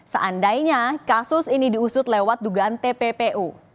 seandainya kasus ini diusut lewat dugaan tppu